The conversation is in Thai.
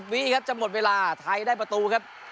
วีครับจะหมดเวลาไทยได้ประตูครับ